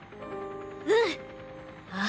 うん！ああ。